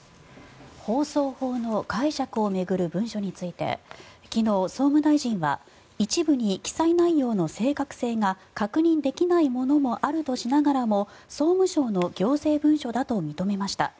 放送法の解釈を巡る文書について昨日、総務大臣は一部に記載内容の正確性が確認できないものもあるとしながらも総務省の行政文書だと認めました。